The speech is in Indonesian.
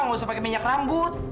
nggak usah pakai minyak rambut